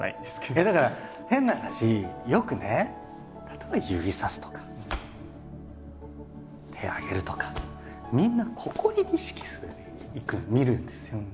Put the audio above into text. いやだから変な話よくね例えば指さすとか手上げるとかみんなここに意識する見るんですよ。